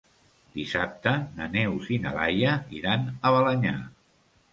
Dissabte na Neus i na Laia iran a Balenyà.